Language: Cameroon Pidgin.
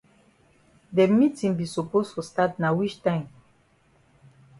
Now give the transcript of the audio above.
De meetin be suppose for stat na wich time.